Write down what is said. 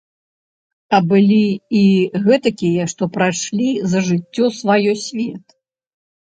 А былі і гэтакія, што прайшлі за жыццё сваё свет.